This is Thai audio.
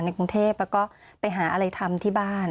กรุงเทพแล้วก็ไปหาอะไรทำที่บ้าน